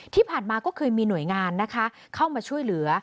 ที่ผ่านมาก็เคยมีหน่วยงานนะคะเข้ามาช่วยเหลือ